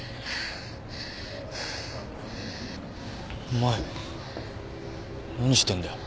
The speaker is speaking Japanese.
お前何してんだよ。